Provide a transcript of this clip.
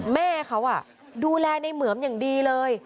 แม่เขาดูแลในเหมือมอย่างดีเลย